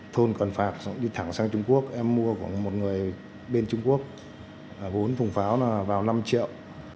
thôn cần phạc đi thẳng sang trung quốc em mua của một người bên trung quốc vốn thùng pháo là vào năm triệu